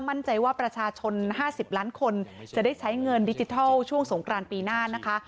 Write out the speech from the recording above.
มั่นใจว่าประชาชน๕๐ล้านคนจะได้ใช้เงินดิจิทัลช่วงสงกรานปีหน้านะคะ